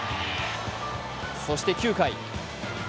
そして９回。